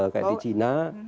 kayak di china